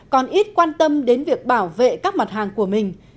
còn ít quan tâm đến việc bảo vệ các mặt hàng của mình